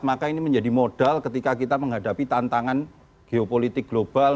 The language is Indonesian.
maka ini menjadi modal ketika kita menghadapi tantangan geopolitik global